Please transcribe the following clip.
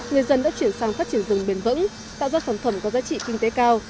người dân đã chuyển sang phát triển rừng bền vững tạo ra sản phẩm có giá trị kinh tế cao